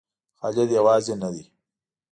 خالد یوازې نه دی.